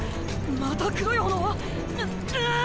また黒い炎？ぐっううっ！